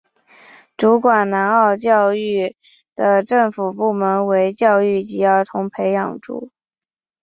主管南澳教育的政府部门为教育及儿童培育署。